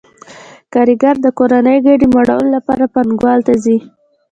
کارګر د کورنۍ ګېډې مړولو لپاره پانګوال ته ځي